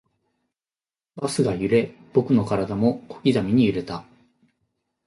バスが揺れ、僕の体も小刻みに揺れた